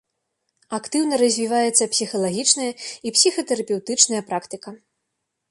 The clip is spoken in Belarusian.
Актыўна развіваецца псіхалагічная і псіхатэрапеўтычная практыка.